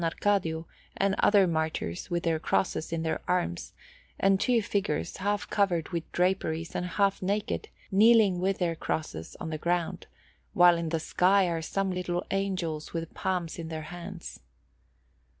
Arcadio and other martyrs with their crosses in their arms, and two figures, half covered with draperies and half naked, kneeling with their crosses on the ground, while in the sky are some little angels with palms in their hands.